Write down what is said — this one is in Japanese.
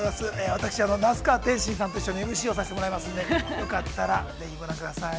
◆私、那須川天心さんと一緒にＭＣをさせていただきますので、よかったら、ぜひご覧ください。